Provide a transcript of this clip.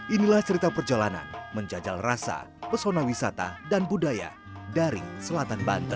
inilah cerita perjalanan menjajal rasa pesona wisata dan budaya dari selatan banten